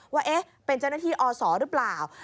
ว่าเป็นเจ้าหน้าที่อศหรือเปล่า